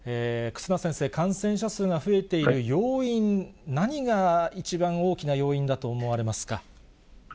忽那先生、感染者数が増えている要因、何が一番大きな要因だと思われますか。